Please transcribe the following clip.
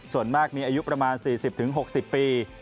ส่วนมากมีอายุประมาณ๔๐๖๐ปี